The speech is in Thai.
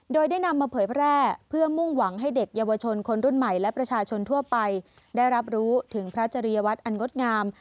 โดยได้นำมาเผยแพร่เพื่อมุ่งหวังให้เด็กเยาวชนคนรุ่นใหม่และประชาชนทั่วไปได้รับรู้ถึงพระจริยวัตรอันงดงาม